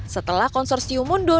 setelah konsorsium mundur